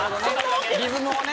リズムをね。